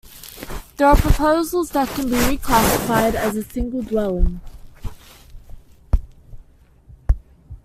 There are proposals that it be reclassified as a single dwelling.